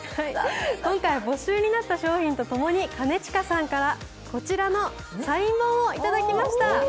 今回没収になった商品と共に、兼近さんからこちらのサイン本を頂きました。